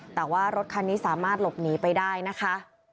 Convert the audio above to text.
แต่ว่ารถคันนี้สามารถหลบหนีไปได้นะคะ